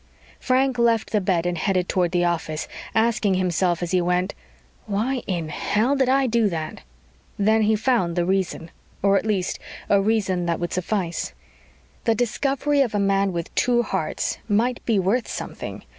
Frank left the bed and headed toward the office, asking himself as he went, Why in hell did I do that? Then he found the reason or at least a reason that would suffice. The discovery of a man with two hearts might be worth something.